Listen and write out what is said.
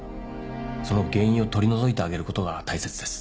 その原因を取り除いてあげることが大切です。